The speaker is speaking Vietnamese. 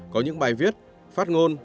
có những bài viết phát ngôn